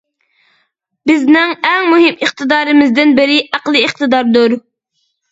بىزنىڭ ئەڭ مۇھىم ئىقتىدارىمىزدىن بىرى ئەقلىي ئىقتىداردۇر.